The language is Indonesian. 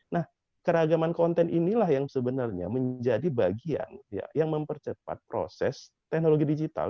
nah keragaman konten inilah yang sebenarnya menjadi bagian yang mempercepat proses teknologi digital